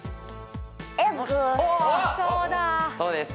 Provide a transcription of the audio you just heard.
そうです